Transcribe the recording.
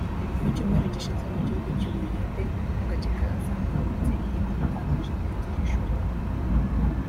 Mu cyumweru gishize mu gihugu cy’u Buhinde mu gace ka Assam havutse ihene itangaje ifite ijisho rimwe